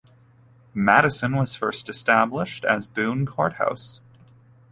Madison was first established as Boone Court House.